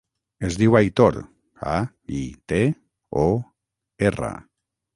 Es diu Aitor: a, i, te, o, erra.